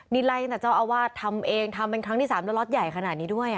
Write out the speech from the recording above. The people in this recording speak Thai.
นี่ไล่ตั้งแต่เจ้าอาวาสทำเองทำเป็นครั้งที่๓แล้วล็อตใหญ่ขนาดนี้ด้วย